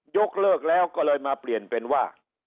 ยกเลิกแล้วก็เลยมาเปลี่ยนเป็นว่า